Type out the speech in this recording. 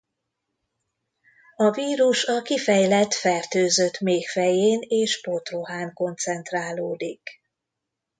A vírus a kifejlett fertőzött méh fején és potrohán koncentrálódik.